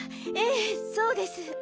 ええそうです。